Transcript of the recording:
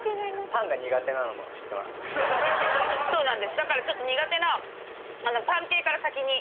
そうなんですだからちょっと。